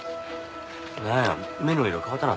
なんや目の色変わったな